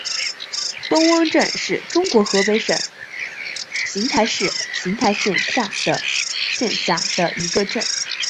东汪镇是中国河北省邢台市邢台县下辖的一个镇。